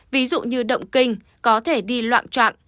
ví dụ như động kinh có thể đi loạn trạng